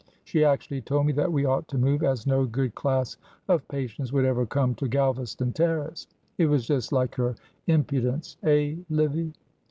She actually told me that we ought to move, as no good class of patients would ever come to Galvaston Terrace. It was just like her impudence eh, Livy?"